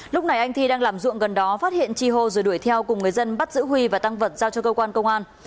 lúc này anh thi đang làm ruộng gần đó phát hiện chi hô rồi đuổi theo cùng người dân bắt giữ huy và tăng vật giao cho cơ quan công an